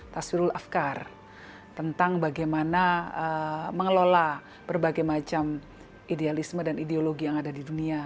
taswirul afkar tentang bagaimana mengelola berbagai macam idealisme dan ideologi yang ada di dunia